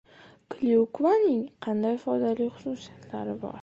Klyukvaning qanday foydali xususiyatlari bor?